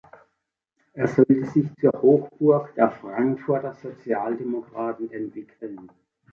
Es sollte sich zur Hochburg der Frankfurter Sozialdemokraten entwickeln.